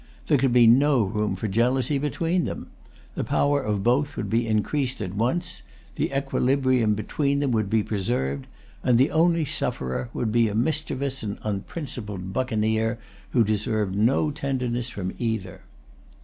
There could be no room for jealousy between them. The power of both would be increased at once; the equilibrium between them would be preserved; and the only sufferer would be a mischievous and unprincipled buccaneer, who deserved no tenderness from either.